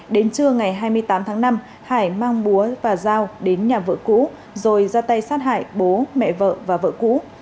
đến trưa ngày hai mươi tám tháng năm hải mang búa và giao đến nhà vợ cũ rồi ra tay sát hại bố mẹ vợ và vợ cũ